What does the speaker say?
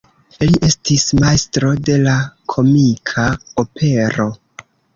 Li estis majstro de la komika opero.